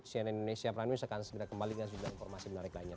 cnn indonesia prime news akan segera kembali dengan sejumlah informasi menarik lainnya